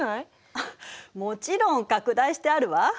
もちろん拡大してあるわ。